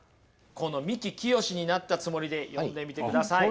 この三木清になったつもりで読んでみてください。